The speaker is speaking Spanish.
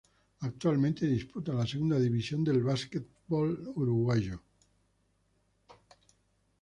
Actualmente disputa la Segunda División del básquetbol uruguayo.